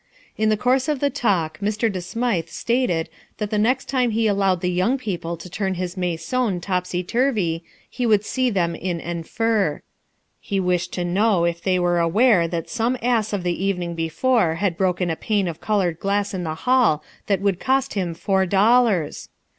In the course of the talk Mr. De Smythe stated that the next time he allowed the young people to turn his maison topsy turvy he would see them in enfer. He wished to know if they were aware that some ass of the evening before had broken a pane of coloured glass in the hall that would cost him four dollars.